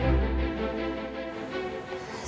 sekarang meika meika udah nemuin cintanya sendiri